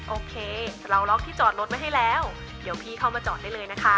โอเคเราล็อกที่จอดรถไว้ให้แล้วเดี๋ยวพี่เข้ามาจอดได้เลยนะคะ